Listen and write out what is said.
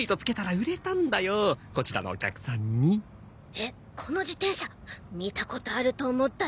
えっこの自転車見たことあると思ったら！